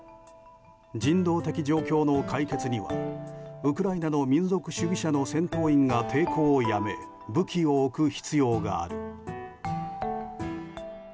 人道的状況の解決にはウクライナの民族主義者の戦闘員が抵抗をやめ武器を置く必要がある。